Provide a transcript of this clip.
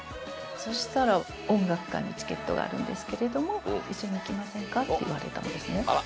そしたら「音楽会のチケットがあるんですけれども一緒に行きませんか？」って言われたんですね。